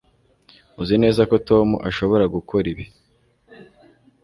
Uzi neza ko Tom ashobora gukora ibi